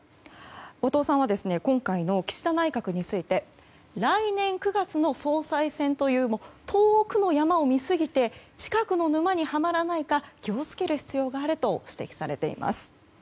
後藤さんは今回の岸田内閣について来年９月の総裁選という遠くの山を見すぎて近くの沼にはまらないか気を付ける必要があると指摘されています。